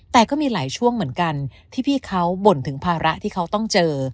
แต่ก็มีหลายช่วงเหมือนกันที่พี่เขาบ่นถึงภาระที่เขาต้องเจอ